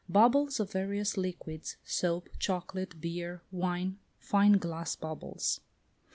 Bubbles of various liquids, soap, chocolate, beer, wine, fine glass bubbles.